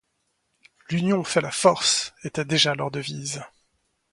L’union fait la force était déjà leur devise.